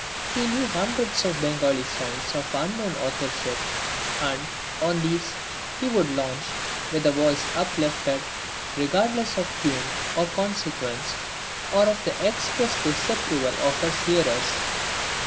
He knew hundreds of Bengali songs of unknown authorship, and on these he would launch, with voice uplifted, regardless of tune, or consequence, or of the express disapproval of his hearers.